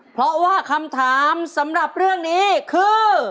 เพราะว่าคำถามสำหรับเรื่องนี้คือ